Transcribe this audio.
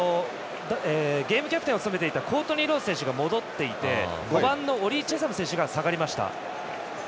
ゲームキャプテンを務めていたコートニー・ローズ選手が戻っていて５番のオリー・チェサム選手が下がりました。